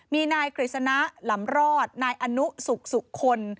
มีนายกฤษณะหลำรอดนายอนุสุขสุคล